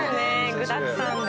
具だくさんで。